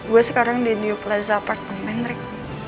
gue sekarang di new plaza apartement rick